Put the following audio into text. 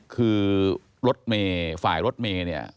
คือรถเมย์ฝ่ายรถเมย์เนี่ย